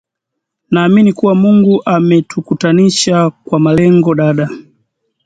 Naamini kuwa Mungu ametukutanisha kwa malengo dada